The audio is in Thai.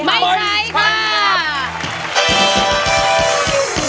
ไม่ใช้